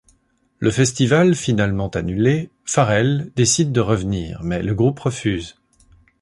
Le festival finalement annulé, Farrell décide de revenir mais le groupe refuse.